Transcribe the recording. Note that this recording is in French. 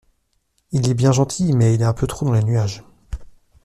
Il est bien gentil, mais il est un peu trop dans les nuages.